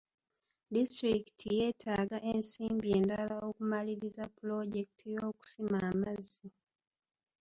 Disitulikiti yeetaaga ensimbi endala okumaliriza pulojekiti y'okusima amazzi.